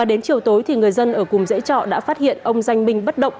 đến chiều tối người dân ở cùng dãy trọ đã phát hiện ông danh minh bất động